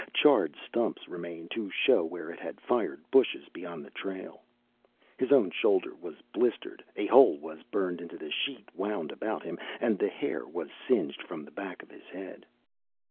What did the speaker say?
Charred stumps remained to show where it had fired bushes beyond the trail. His own shoulder was blistered, a hole was burned in the sheet wound about him, and the hair was singed from the back of his head.